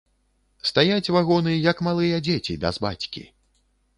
Стаяць вагоны, як малыя дзеці без бацькі.